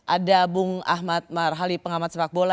ada bung ahmad marhali pengamat sepak bola